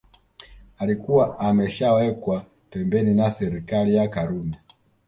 alikuwa ameshawekwa pembeni na serikali ya karume